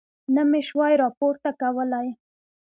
نه مې شوای راپورته کولی.